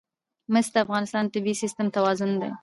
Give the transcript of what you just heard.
مس د افغانستان د طبعي سیسټم توازن ساتي.